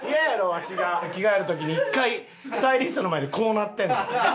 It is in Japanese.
わしが着替える時に１回スタイリストの前でこうなってんの。